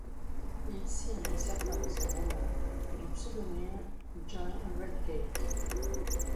Il signe certains de ses romans du pseudonyme John Redgate.